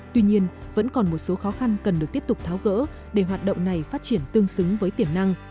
tuy nhiên vẫn còn một số khó khăn cần được tiếp tục tháo gỡ để hoạt động này phát triển tương xứng với tiềm năng